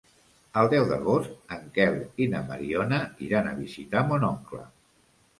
El deu d'agost en Quel i na Mariona iran a visitar mon oncle.